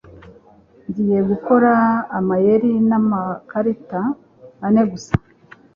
Ngiye gukora amayeri n'amakarita ane gusa.